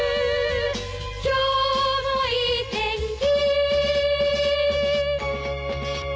「今日もいい天気」